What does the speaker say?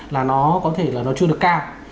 là nó có thể là nó chưa được cao